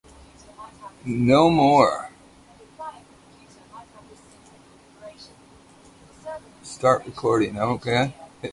No more.